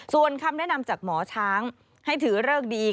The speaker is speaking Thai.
ส่วนคำแนะนำจากหมอช้างให้ถือเลิกดี